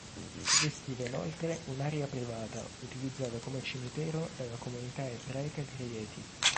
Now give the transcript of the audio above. Gestiva inoltre un'area privata utilizzata come cimitero dalla comunità ebraica di Rieti.